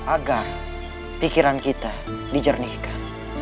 agar pikiran kita dijernihkan